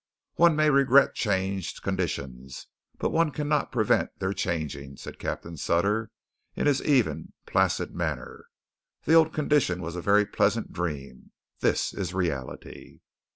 "One may regret changed conditions; but one cannot prevent their changing," said Captain Sutter in his even, placid manner. "The old condition was a very pleasant dream; this is a reality."